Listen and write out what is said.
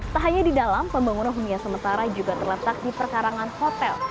tak hanya di dalam pembangunan hunian sementara juga terletak di perkarangan hotel